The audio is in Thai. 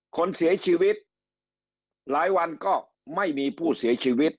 คนเสียชีวิตหลายวันก็ไม่มีผู้เสียชีวิต